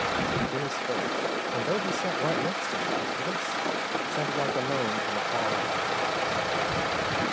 Then he spoke. And though he sat right next to me his voice sounded like a moan from afar off.